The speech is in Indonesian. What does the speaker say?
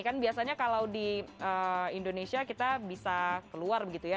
kan biasanya kalau di indonesia kita bisa keluar begitu ya